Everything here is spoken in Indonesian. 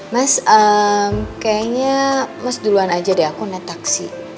mas kayaknya mas duluan aja deh aku net taksi